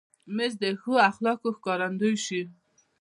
مېز د ښو اخلاقو ښکارندوی شي.